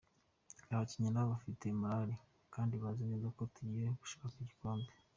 Abakinnyi na bo bafite morali kandi bazi neza ko tugiye gushaka igikombe.